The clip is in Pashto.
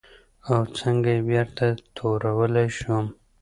او څنګه یې بېرته تورولی شو؟